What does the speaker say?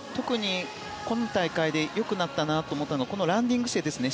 今大会で良くなったと思ったのはこのランディング姿勢ですね。